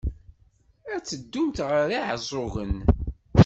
Ad teddumt ar Iɛeẓẓugen?